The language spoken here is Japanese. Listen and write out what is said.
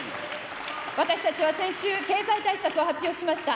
私たちは先週、経済対策を発表しました。